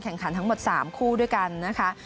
ขันทั้งหมด๓คู่ด้วยกันนะคะ